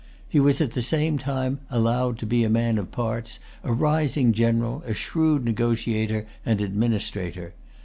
He was at the same time allowed to be a man of parts, a rising general, a shrewd negotiator and administrator.